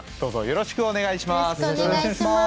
よろしくお願いします。